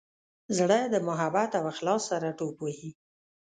زړه د محبت او اخلاص سره ټوپ وهي.